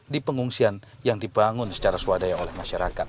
di pengungsian yang dibangun secara swadaya oleh masyarakat